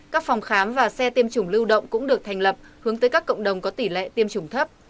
các phòng khám và xe tiêm chủng lưu động cũng được thành lập hướng tới các cộng đồng có tỷ lệ tiêm chủng thấp